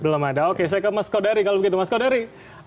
belum ada oke saya ke mas kodari kalau begitu mas kodari